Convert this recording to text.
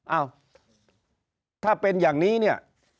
เอ้าถ้าเป็นอย่างนี้